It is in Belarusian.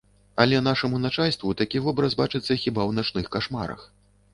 Але нашаму начальству такі вобраз бачыцца хіба ў начных кашмарах.